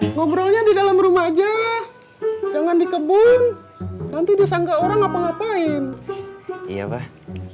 ngobrolnya di dalam rumah aja jangan di kebun nanti disangka orang ngapa ngapain iya bah